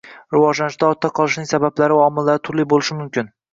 rivojlanishda ortda qolishining sabablari va omillari turli bo‘lishi mumkin.